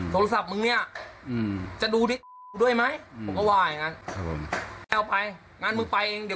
โทรศัพท์มึงเนี่ยจะดูในกูด้วยมั้ย